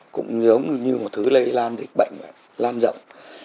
cũng giống như một thứ lây lan dịch bệnh lan rộng